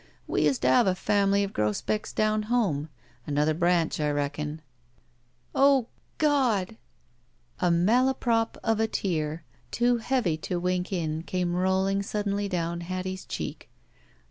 We used to have a family of Grosbecks down homo. Another branchi I redcon," x68 THE SMUDGE cr it O — God!" A malaprop of a tear, too heavy to wink in, came rolling suddenly down Hattie's cheek.